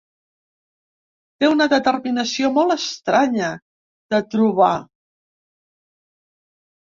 Té una determinació molt estranya de trobar…